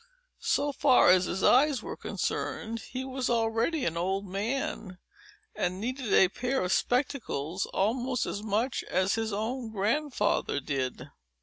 So far as his eyes were concerned, he was already an old man, and needed a pair of spectacles almost as much as his own grandfather did.